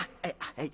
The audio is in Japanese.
「はい。